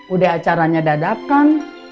udah acaranya dadapan